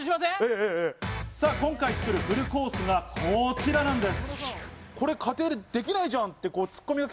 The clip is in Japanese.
今回作るフルコースがこちらなんです。